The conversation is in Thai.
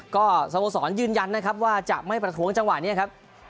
ก็สโมสรยืนยันนะครับว่าจะไม่ประท้วงจังหวะนี้ครับ